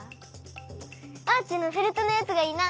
あーちんのフェルトのやつがいいな！